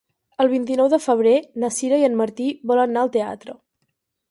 El vint-i-nou de febrer na Sira i en Martí volen anar al teatre.